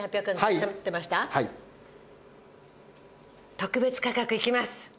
特別価格いきます。